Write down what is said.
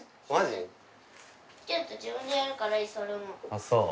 ああそう。